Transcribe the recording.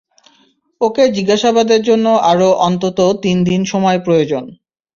ওকে জিজ্ঞাসাবাদের জন্য আরও অন্তত তিন দিন সময় প্রয়োজন।